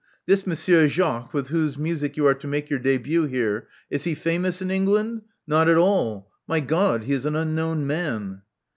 This Monsieur Jacques, with whose music you are to make your debi^t here, is he famous in England? Not at all. My God! he is an unknown man."